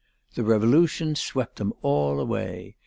The Revolution swept them all away.